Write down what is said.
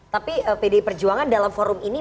tapi pdi perjuangan dalam forum ini